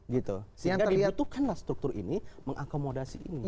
sehingga dibutuhkanlah struktur ini mengakomodasi ini